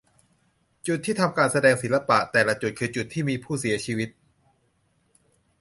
จุดที่ทำการแสดงศิลปะ แต่ละจุดคือจุดที่มีผู้เสียชีวิต